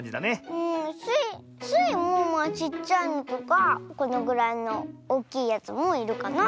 スイもちっちゃいのとかこのぐらいのおっきいやつもいるかな。